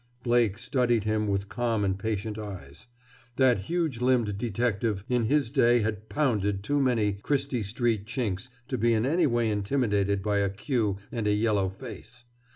Blake studied him with calm and patient eyes. That huge limbed detective in his day had "pounded" too many Christy Street Chinks to be in any way intimidated by a queue and a yellow face.